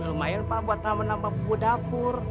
lumayan pak buat nama nama buku dapur